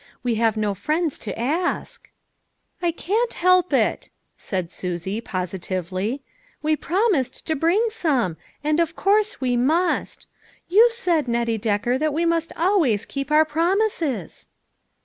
We have no friends to ask." A COMPLETE SUCCESS. 221 "I can't help it," said Susie, positively, "we promised to bring some, and of course we must. You said, Nettie Decker, that we must always keep our promises."